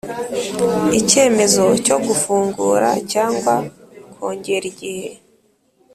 Icyemezo cyo gufungura cyangwa kongera igihe